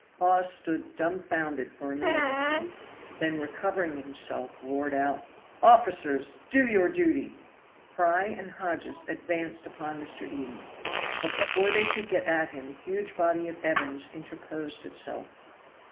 Hawes stood dumfounded for a minute or two, then recovering himself he roared out: "Officers, do your duty!" Fry and Hodges advanced upon Mr. Eden, but before they could get at him the huge body of Evans interposed itself.